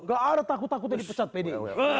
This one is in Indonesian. gak ada takut takutnya dipecat pdi